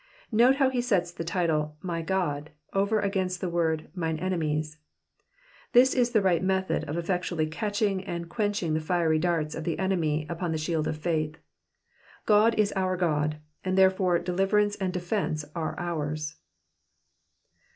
Note how he sets the title Jfy God,^^ over against the word mine enemies.''^ This is the right method of effectually catching and quenching the fiery darts of the enemy upon the shield of faith. Gk>d is our God, and therefore deliverance and defence are ours.